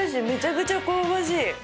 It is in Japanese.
めちゃくちゃ香ばしい。